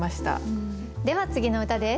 では次の歌です。